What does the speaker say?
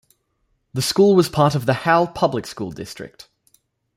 The school was part of the Howell Public School District.